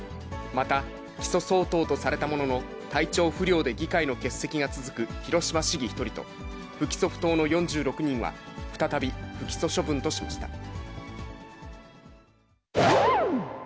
また起訴相当とされたものの、体調不良で議会の欠席が続く広島市議１人と不起訴不当の４６人は、再び不起訴処分としました。